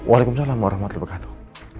waalaikumsalam warahmatullahi wabarakatuh